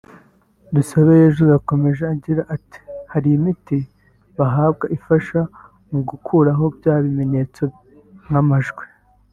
Dusabeyezu yakomeje agigra ati " Hari imiti bahabwa ifasha mu gukuraho bya bimenyetso nk’amajwi